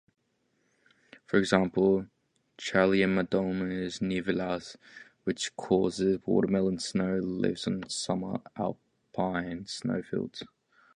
For example, "Chlamydomonas nivalis", which causes Watermelon snow, lives on summer alpine snowfields.